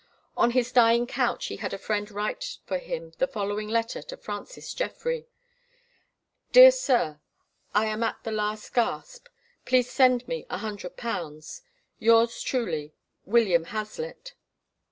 On his dying couch he had a friend write for him the following letter to Francis Jeffrey: "Dear Sir, I am at the last gasp. Please send me a hundred pounds. Yours truly, "WILLIAM HAZLITT."